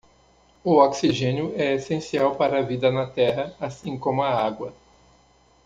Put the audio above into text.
O oxigênio é essencial para a vida na terra, assim como a água.